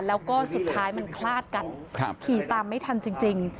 แล้วก็สุดท้ายมันคลาดกันขี่ตามไม่ทันจริง